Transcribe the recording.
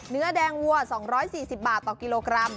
เนื้อแดงวัว๒๔๐บาทต่อกิโลกรัม